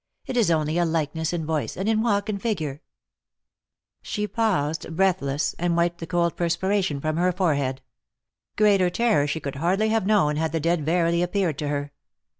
It is only a likeness in voice, and in walk and figure !" She paused, breathless, and wiped the cold perspiration from her forehead. Greater terror she could hardly have known had the dead verily appeared to her.